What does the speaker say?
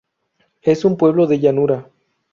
Es un pueblo de llanura.